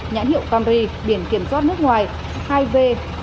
nhãn hiệu camry biển kiểm soát nước ngoài hai v hai mươi năm